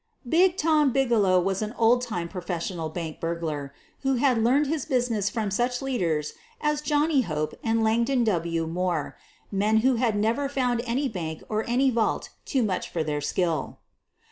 "Big Tom" Bigelow was an old time professional bank burglar, who had learned his business under such leaders as Jimmy Hope and Langdon W. Moore — men who had never found any bank or any vault too much for their skill.